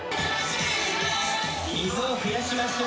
水を増やしましょう。